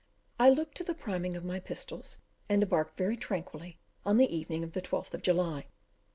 I looked to the priming of my pistols, and embarked very tranquilly on the evening of the 12th of July.